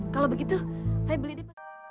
kalau begitu saya beli deh